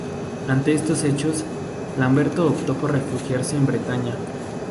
Ante estos hechos, Lamberto optó por refugiarse en Bretaña.